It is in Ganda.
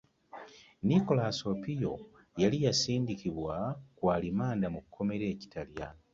Nicholas Opio yali yasindikibwa ku alimanda mu kkomera e Kitalya